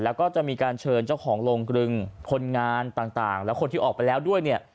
แล้วก็จะมีการเชิญเจ้าของโรงกรึงคนงานต่างและคนที่ออกไปแล้วด้วยเนี่ย